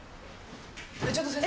ちょっと先生！